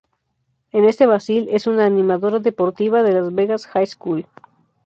En este Basil es una animadora deportiva de Las Vegas High School.